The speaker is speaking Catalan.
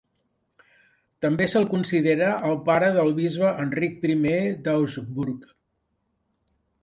També se'l considera el pare del bisbe Enric I d'Augsburg.